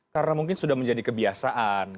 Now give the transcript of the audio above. karena mungkin sudah menjadi kebiasaan